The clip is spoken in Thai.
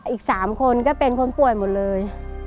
อีก๓คนก็เป็นคนป่วยหมดเลย